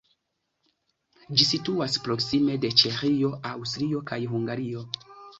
Ĝi situas proksime de Ĉeĥio, Aŭstrio kaj Hungario.